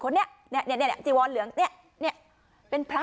คนนี้เนี้ยเนี้ยเนี้ยเนี้ยจิวอลเหลืองเนี้ยเนี้ยเป็นพระ